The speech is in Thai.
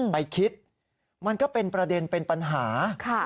ไปคิดมันก็เป็นประเด็นเป็นปัญหา